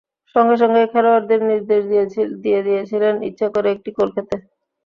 সঙ্গে সঙ্গেই খেলোয়াড়দের নির্দেশ দিয়ে দিয়েছিলেন ইচ্ছা করে একটি গোল খেতে।